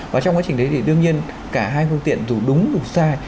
và trong quá trình đấy thì đương nhiên cả hai phương tiện dù đúng đủ sai